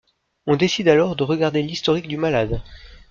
On décide alors de regarder l'historique du malade.